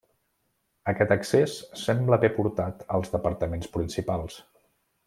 Aquest accés sembla haver portat als departaments principals.